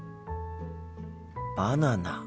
バナナか。